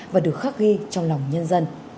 và được khắc ghi trong lòng nhân dân